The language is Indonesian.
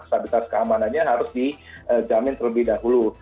stabilitas keamanannya harus dijamin terlebih dahulu